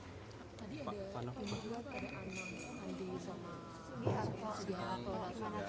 andi datang lagi jadi ada yang saksi